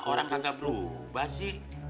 orang kagak berubah sih